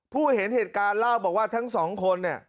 ผู้เห็นเหตุการณ์เล่าบอกว่าทั้งสองคนเนี่ย